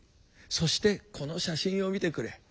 そしてこの写真を見てくれ。